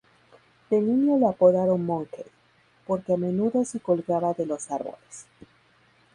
De niño lo apodaron "Monkey" porque a menudo se colgaba de los árboles.